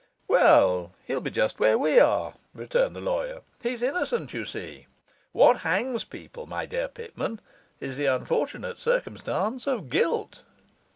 'Well, he'll be just where we are,' returned the lawyer. 'He's innocent, you see. What hangs people, my dear Pitman, is the unfortunate circumstance of guilt.